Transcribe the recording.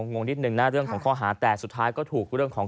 งงนิดนึงนะเรื่องของข้อหาแต่สุดท้ายก็ถูกเรื่องของ